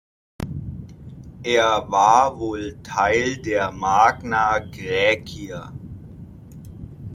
Er war wohl Teil der Magna Graecia.